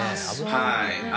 はい。